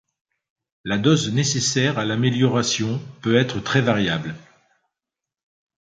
La dose nécessaire à l'amélioration peut être très variable.